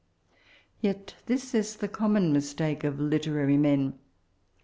Yet this is tbe oommon mistake of literary meo.